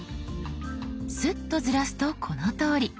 スッとずらすとこのとおり。